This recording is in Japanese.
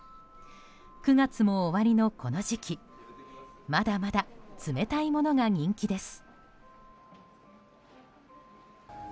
９月も終わりのこの時期まだまだ冷たいものが人気です。